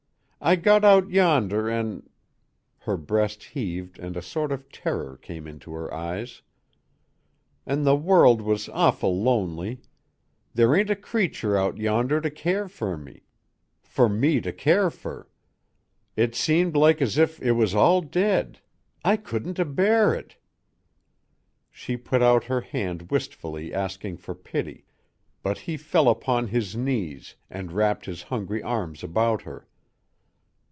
I got out yonder an'" her breast heaved and a sort of terror came into her eyes "an' the world was awful lonely. There ain't a creature out yonder to care fer me, fer me to care fer. It seemed like as if it was all dead. I couldn't abear it." She put out her hand wistfully asking for pity, but he fell upon his knees and wrapped his hungry arms about her.